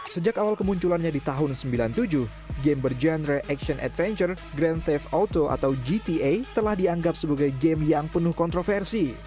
sejak awal kemunculannya di tahun sembilan puluh tujuh game bergenre action adventure grand staff auto atau gta telah dianggap sebagai game yang penuh kontroversi